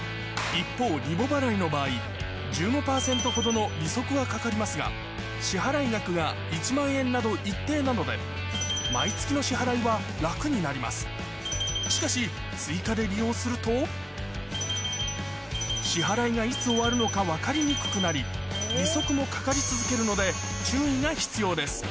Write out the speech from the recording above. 一方リボ払いの場合１５％ほどの利息はかかりますが支払い額が１万円など一定なので毎月の支払いは楽になりますしかし追加で利用すると支払いがいつ終わるのか分かりにくくなり利息もかかり続けるので注意が必要です